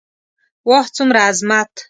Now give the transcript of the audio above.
واه څومره عظمت.